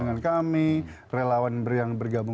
dengan kami relawan yang bergabung